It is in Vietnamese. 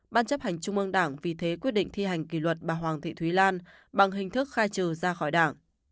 ban chấp hành trung ương đảng vì thế quyết định thi hành kỷ luật bà hoàng thị thúy lan bằng hình thức khai trừ ra khỏi đảng